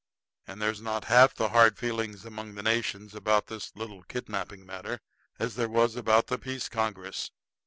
And there's not half the hard feelings among the nations about this little kidnapping matter as there was about the peace congress.